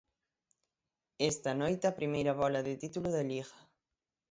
Esta noite a primeira bóla de título de Liga.